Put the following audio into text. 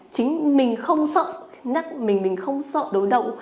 chính mình không sợ đối đậu